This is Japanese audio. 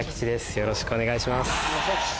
よろしくお願いします。